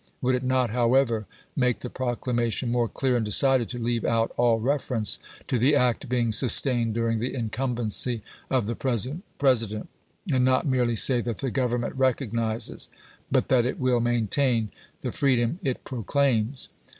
Wonld it not, however, make the proclamation more clear and decided to leave out all reference to the act being sustained during the incumbency of the present President ; and not merely say that the Government ' recognizes,' but that it will main tain, the freedom it proclaims?"